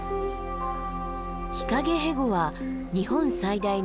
ヒカゲヘゴは日本最大のシダ植物。